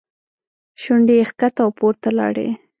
شونډې یې ښکته او پورته لاړې.